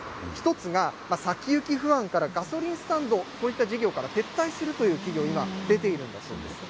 １つが、先行き不安からガソリンスタンド、こういった事業から撤退するという事業が今、出ているんだそうです。